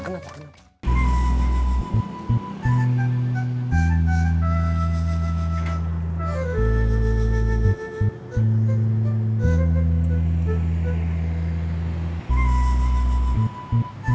kamparis berpisan tvb